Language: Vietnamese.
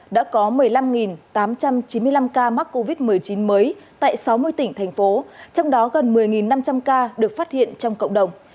đã có một mươi năm tám trăm chín mươi năm ca mắc covid một mươi chín mới tại sáu mươi tỉnh thành phố trong đó gần một mươi năm trăm linh ca được phát hiện trong cộng đồng